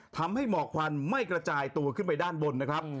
หมอกควันไม่กระจายตัวขึ้นไปด้านบนนะครับ